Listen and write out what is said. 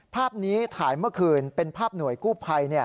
ภาพนี้ถ่ายเมื่อคืนเป็นภาพหน่วยกู้ภัย